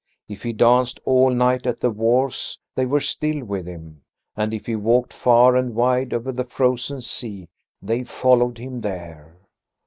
If he danced all night at the wharves they were still with him, and if he walked far and wide over the frozen sea, they followed him there.